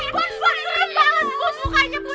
put put put